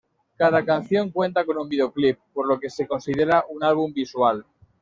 Cada canción cuenta con un videoclip, por lo que se considera un "álbum visual".